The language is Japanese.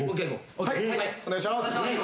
お願いします。